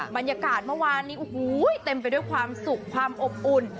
บรรยากาศเมื่อวานนี้โอ้โหเต็มไปด้วยความสุขความอบอุ่น